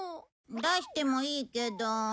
出してもいいけど。